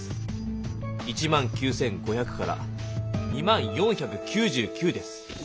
１９５００から２０４９９です。